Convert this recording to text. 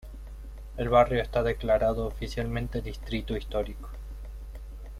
El barrio está declarado oficialmente distrito histórico.